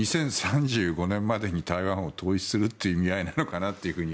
２０３５年までに台湾を統一するという意味合いなのかなって